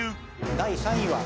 第３位は。